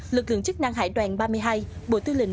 lực lượng chức năng hải đoàn ba mươi hai bộ tư lệnh